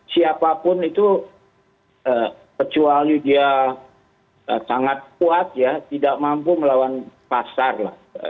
siapapun itu kecuali dia sangat kuat ya tidak mampu melawan pasar lah